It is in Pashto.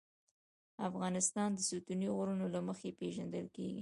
افغانستان د ستوني غرونه له مخې پېژندل کېږي.